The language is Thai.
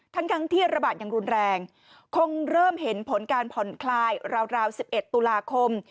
ทั้งที่ระบาดยังรุนแรงคงเริ่มเห็นผลการผ่อนคลายราว๑๑ตุลาคม